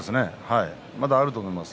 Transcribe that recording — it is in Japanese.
あると思います。